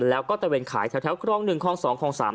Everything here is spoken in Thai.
แล้วก็ตะเวนขายแถวกล้องหนึ่งกล้องสองของสาม